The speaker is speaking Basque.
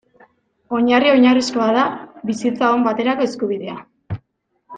Oinarri oinarrizkoa da bizitza on baterako eskubidea.